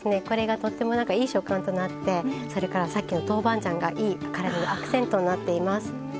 これがとってもいい食感となってそれからさっきの豆板醤がいい辛みのアクセントになっています。